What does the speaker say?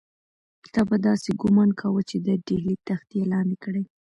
تا به داسې ګومان کاوه چې د ډهلي تخت یې لاندې کړی.